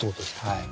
はい。